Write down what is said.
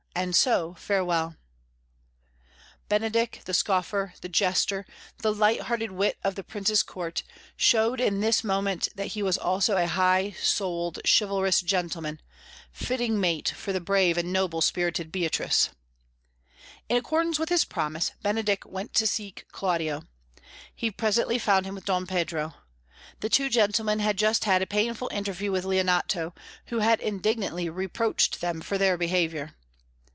And so, farewell." Benedick, the scoffer, the jester, the light hearted wit of the Prince's Court, showed in this moment that he was also a high souled chivalrous gentleman, fitting mate for the brave and noble spirited Beatrice. In accordance with his promise, Benedick went to seek Claudio. He presently found him with Don Pedro. The two gentlemen had just had a painful interview with Leonato, who had indignantly reproached them for their behaviour.